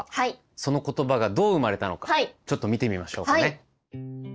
その言葉がどう生まれたのかちょっと見てみましょうかね。